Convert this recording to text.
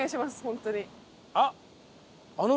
あっ！